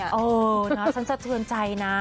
เออนะฉันสะเทือนใจนะ